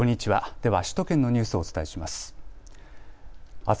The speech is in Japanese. では首都圏のニュースをお伝えします。